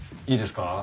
いいですか？